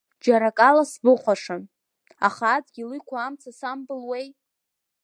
Џьара акала сбыхәашан, аха адгьыл иқәу амца самбылуеи.